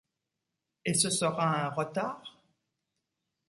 Et ce sera un retard ?…